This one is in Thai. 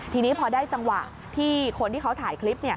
ทีนี้พอได้จังหวะที่คนที่เขาถ่ายคลิป